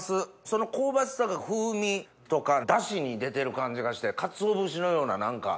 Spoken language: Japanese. その香ばしさが風味とか出汁に出てる感じがしてかつお節のような何か。